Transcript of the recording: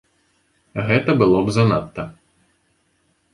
Гэта было б занадта.